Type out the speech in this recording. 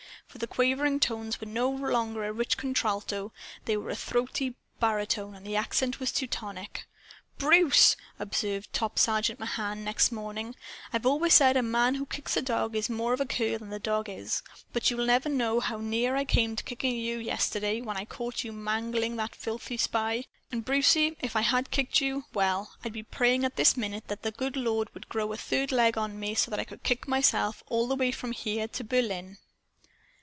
For the quavering tones were no longer a rich contralto. They were a throaty baritone. And the accent was Teutonic. "Bruce!" observed Top Sergeant Mahan next morning, "I've always said a man who kicks a dog is more of a cur than the dog is. But you'll never know how near I came to kicking you yesterday, when I caught you mangling that filthy spy. And Brucie, if I had kicked you, well I'd be praying at this minute that the good Lord would grow a third leg on me, so that I could kick myself all the way from here to Berlin!"